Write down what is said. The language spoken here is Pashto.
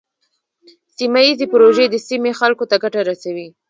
سیمه ایزې پروژې د سیمې خلکو ته ګټه رسوي.